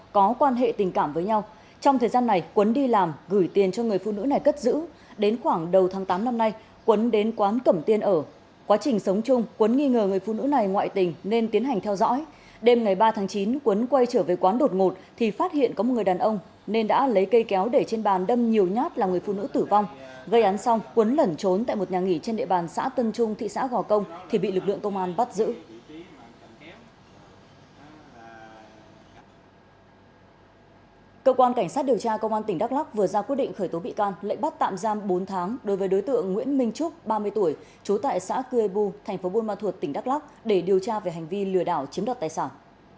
cơ quan cảnh sát điều tra công an tỉnh đắk lắk vừa ra quyết định khởi tố bị can lệnh bắt tạm giam bốn tháng đối với đối tượng nguyễn minh trúc ba mươi tuổi chú tại xã cư ê bu tp buôn ma thuột tỉnh đắk lắk để điều tra về hành vi lừa đảo chiếm đặt tài sản